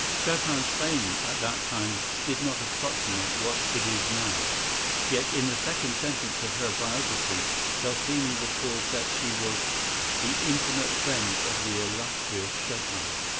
Chopin's fame at that time did not approximate what it is now. Yet in the second sentence of her biography Delphine records that she was "the intimate friend of the illustrious Chopin."